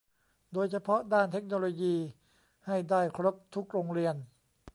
โดยเฉพาะด้านเทคโนโลยีให้ได้ครบทุกโรงเรียน